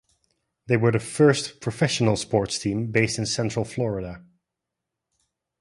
They were the first professional sports team based in Central Florida.